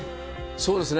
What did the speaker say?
そうですね。